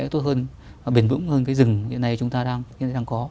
rừng bền vững hơn cái rừng hiện nay chúng ta đang có